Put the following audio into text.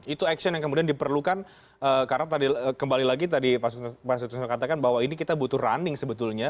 itu action yang kemudian diperlukan karena tadi kembali lagi tadi pak sutrisno katakan bahwa ini kita butuh running sebetulnya